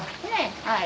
はい。